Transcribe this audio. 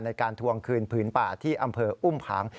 ทวงคืนผืนป่าที่อำเภออุ้มผัง